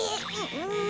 うん。